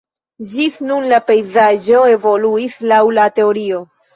Ĝis nun la pejzaĝo evoluis laŭ la teorio.